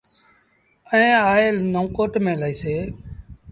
ائيٚݩ آئي نئون ڪوٽ ميݩ لهيٚسي۔